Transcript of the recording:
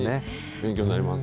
勉強になります。